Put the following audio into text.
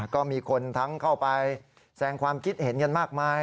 ก็มีคนทั้งเข้าไปแสงความคิดเห็นกันมากมาย